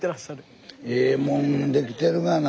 ええもんできてるがな。